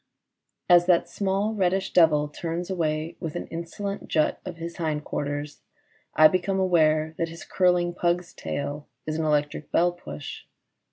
As that small reddish devil turns away with an insolent jut of his hindquarters, I become aware that his curling pug's tail is an electric bell push.